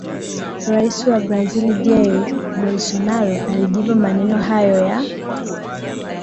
Rais wa Brazil Jair Bolsonaro alijibu maneno hayo ya